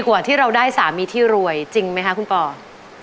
กว่าที่เราได้สามีที่รวยจริงไหมคะคุณปอ